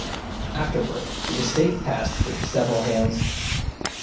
Afterward, the estate passed through several hands.